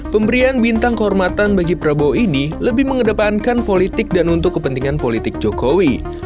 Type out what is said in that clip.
pemberian bintang kehormatan bagi prabowo ini lebih mengedepankan politik dan untuk kepentingan politik jokowi